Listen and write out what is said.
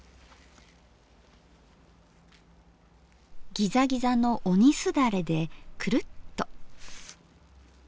ギザギザの「鬼すだれ」でくるっと。